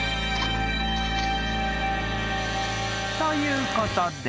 ［ということで］